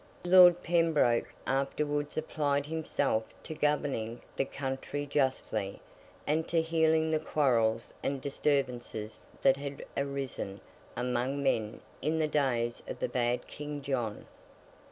Lord Pembroke afterwards applied himself to governing the country justly, and to healing the quarrels and disturbances that had arisen among men in the days of the bad King John.